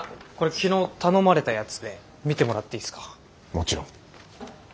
もちろん。